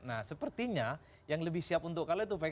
nah sepertinya yang lebih siap untuk kalah itu pks